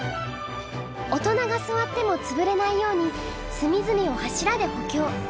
大人がすわってもつぶれないようにすみずみを柱で補強。